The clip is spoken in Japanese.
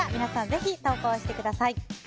ぜひ投稿してください。